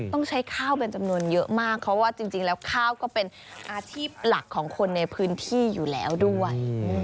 ต้องใช้ข้าวเป็นจำนวนเยอะมากเพราะว่าจริงแล้วข้าวก็เป็นอาชีพหลักของคนในพื้นที่อยู่แล้วด้วย